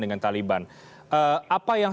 dengan taliban apa yang